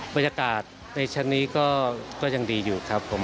บรรยากาศในชั้นนี้ก็ยังดีอยู่ครับผม